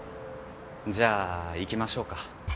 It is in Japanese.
じゃあ行きましょうか。